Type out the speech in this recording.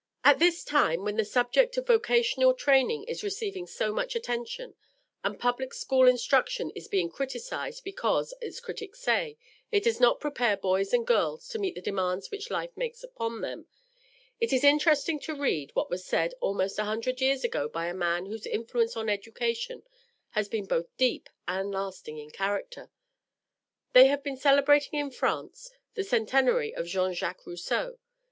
At this time, when the subject of vocational training is receiving so much attention, and public school instruction is being criticized because, its critics say, it does not prepare boys and girls to meet the demands which life makes upon them, it is interesting to read what was said almost a hundred years ago by a man whose influence on education has been both deep and lasting in character. They have just been celebrating in France the centenary of Jean Jacques Rousseau.